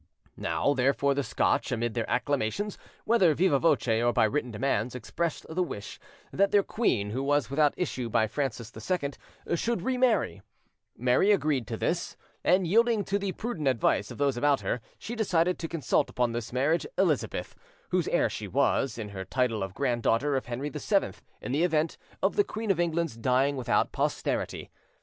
Now, therefore; the Scotch, amid their acclamations, whether viva voce or by written demands, expressed the wish that their queen, who was without issue by Francis II, should re marry: Mary agreed to this, and, yielding to the prudent advice of those about her, she decided to consult upon this marriage Elizabeth, whose heir she was, in her title of granddaughter of Henry VII, in the event of the Queen of England's dying without posterity.